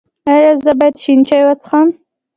ایا زه باید شین چای وڅښم؟